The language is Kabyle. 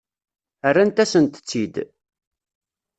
Rrant-asent-tt-id.